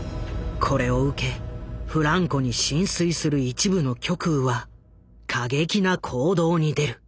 これを受けフランコに心酔する一部の極右は過激な行動に出る。